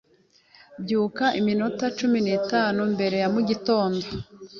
Byuka iminota cumi n'itanu mbere ya mugitondo.